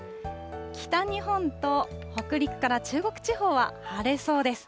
北日本と北陸から中国地方は晴れそうです。